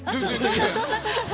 そんなことない。